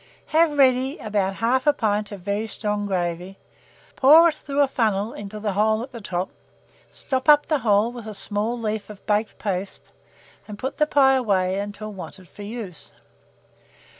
Have ready about 1/2 pint of very strong gravy, pour it through a funnel into the hole at the top, stop up the hole with a small leaf of baked paste, and put the pie away until wanted for use.